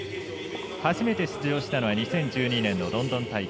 初めて出場したのは２０１２年のロンドン大会。